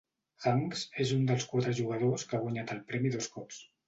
Hanks és un dels quatre jugadors que ha guanyat el premi dos cops.